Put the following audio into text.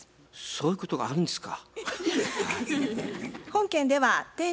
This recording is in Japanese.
そういうことがあるんですか。